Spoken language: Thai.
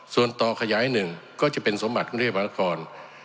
ส่วนต่อขยายหนึ่งก็จะเป็นสมบัติกรุงเทพมหานคร